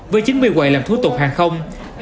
với chín mươi quầy làm thú tục hàng không